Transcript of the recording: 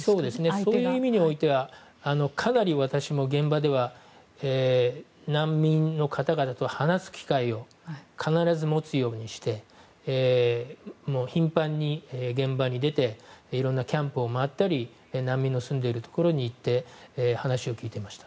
そういう意味においてはかなり私も現場では難民の方々と話す機会を必ず持つようにして頻繁に現場に出ていろいろなキャンプを回ったり難民の住んでいるところに行って話を聞いていました。